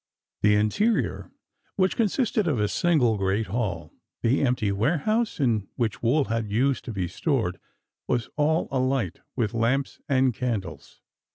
The interior, which consisted of a single great hall, the empty warehouse in which wool had used to be stored, was all alight with lamps and candles.